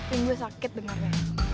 ini gue sakit dengarnya